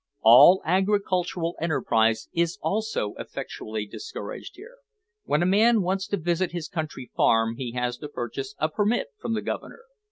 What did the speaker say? All agricultural enterprise is also effectually discouraged here. When a man wants to visit his country farm he has to purchase a permit from the Governor.